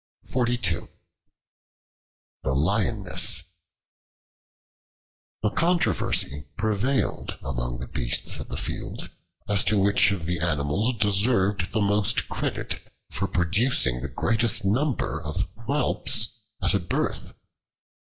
The Lioness A CONTROVERSY prevailed among the beasts of the field as to which of the animals deserved the most credit for producing the greatest number of whelps at a birth.